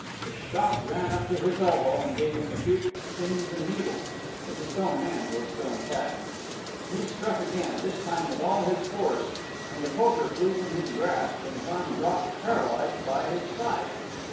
The shock ran up to his elbow, and gave him acute "pins and needles," but the stone hand was still intact. He struck again this time with all his force and the poker flew from his grasp, and his arm dropped paralyzed by his side.